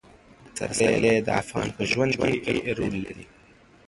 پسرلی د افغان ښځو په ژوند کې رول لري.